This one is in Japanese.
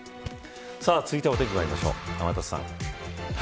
続いてはお天気まいりましょう天達さん。